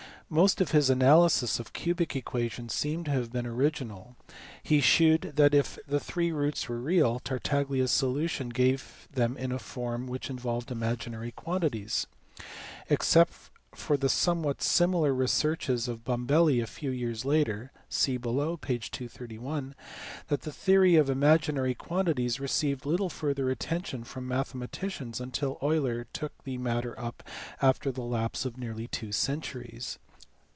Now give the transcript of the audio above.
Most of his analysis of cubic equa tions seems to have been original ; he shewed that if the three roots were real, Tartaglia s solution gave them in a form which involved imaginary quantities. Except for the somewhat similar researches of Bombelli a few years later (see below, p. 231), the theory of imaginary quantities received little further attention from mathematicians until Euler took the matter up after the lapse of nearly two centuries.